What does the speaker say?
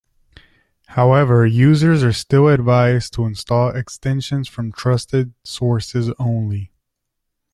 However, users are still advised to install extensions from trusted sources only.